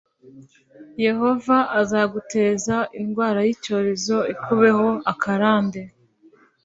yehova azaguteza indwara y'icyorezo ikubeho akarande